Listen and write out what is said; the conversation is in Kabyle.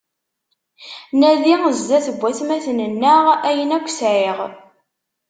Nadi zdat n watmaten-nneɣ ayen akk sɛiɣ.